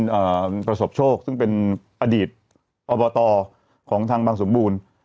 ประสบโชคซึ่งเป็นอดีตอบตของทางบางสมบูรณ์